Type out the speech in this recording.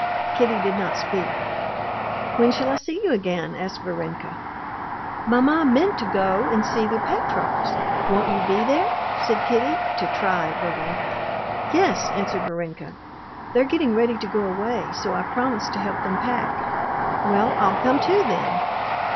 Kitty did not speak. "When shall I see you again?" asked Varenka. "Mamma meant to go and see the Petrovs. Won't you be there?" said Kitty, to try Varenka. "Yes," answered Varenka. "They're getting ready to go away, so I promised to help them pack." "Well, I'll come too, then."